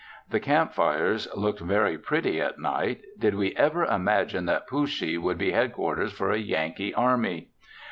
The camp fires looked very pretty at night. Did we ever imagine that Pooshee would be headquarters for a Yankee army?